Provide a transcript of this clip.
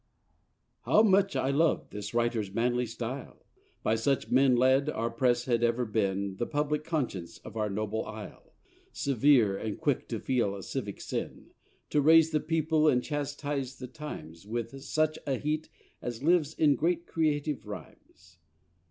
How much I love this writer's manly style! By such men led, our press had ever been The public conscience of our noble isle, Severe and quick to feel a civic sin, To raise the people and chastise the times With such a heat as lives in great creative rhymes.